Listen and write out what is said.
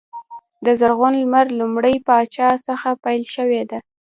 د زرغون لمر لومړي پاچا څخه پیل شوی دی.